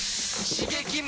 刺激！